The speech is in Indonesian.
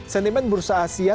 sentimen bursa asia